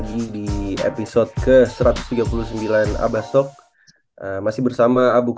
happy new year buat teman teman abas